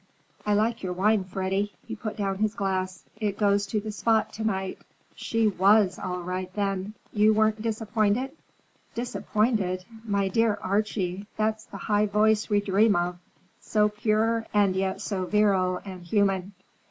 I like your wine, Freddy." He put down his glass. "It goes to the spot to night. She was all right, then? You weren't disappointed?" "Disappointed? My dear Archie, that's the high voice we dream of; so pure and yet so virile and human.